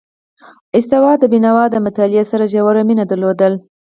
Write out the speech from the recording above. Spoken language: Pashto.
استاد بينوا د مطالعې سره ژوره مینه درلودله.